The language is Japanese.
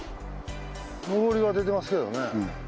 のぼりは出てますけどね。